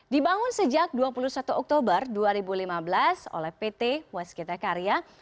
dibangun sejak dua puluh satu oktober dua ribu lima belas oleh pt waskita karya